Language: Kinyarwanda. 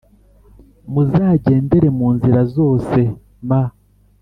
Muzagendere mu nzira zose m